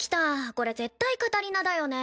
これ絶対カタリナだよね。